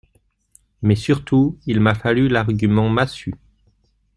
Mais surtout, il m’a fallu l’argument massue.